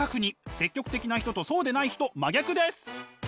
積極的な人とそうでない人真逆です！